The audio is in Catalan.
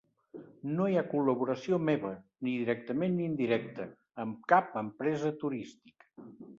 No hi ha cap col·laboració meva, ni directament ni indirecta, amb cap empresa turística.